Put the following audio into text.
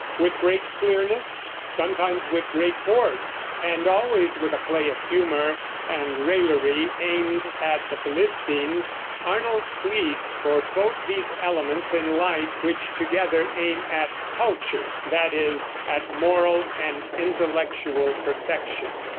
With great clearness, sometimes with great force, and always with a play of humor and raillery aimed at the "Philistines," Arnold pleads for both these elements in life which together aim at "Culture," that is, at moral and intellectual perfection.